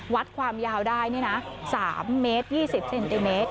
วัดความยาวได้นี่นะ๓เมตร๒๐เซนติเมตร